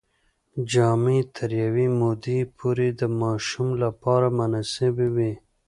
جامې تر یوې مودې پورې د ماشوم لپاره مناسبې وي.